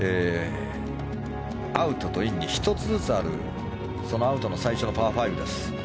アウトとインに１つずつあるアウトの最初のパー５です。